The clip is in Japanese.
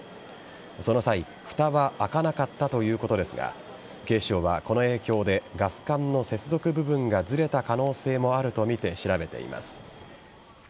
その際、ふたは開かなかったということですが警視庁は、この影響でガス管の接続部分がずれた可能性もあるとみて調べています。